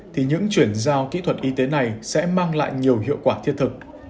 thì những chuyển giao kỹ thuật chuyên sâu về sản khoa sản sẽ được giải quyết được